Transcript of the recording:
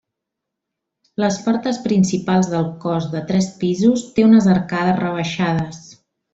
Les portes principals del cos de tres pisos té unes arcades rebaixades.